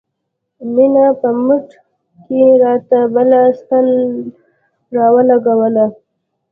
مينې په مټ کښې راته بله ستن راولګوله.